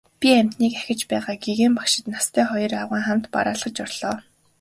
Би амьтныг ажиж байгааг гэгээн багшид настай хоёр авгайн хамт бараалхаж орлоо.